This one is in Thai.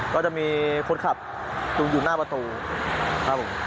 ก็จะมีคนขับอยู่หน้าประตูครับผม